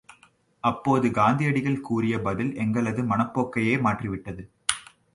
அப்போது காந்தியடிகள் கூறிய பதில் எங்களது மனப்போக்கையே மாற்றி விட்டது.